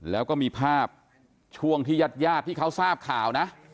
แล้วก็มีภาพช่วงที่ญาติญาติที่เขาทราบข่าวนะ